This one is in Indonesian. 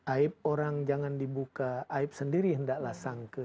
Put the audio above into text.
aib orang jangan dibuka aib sendiri hendaklah sangke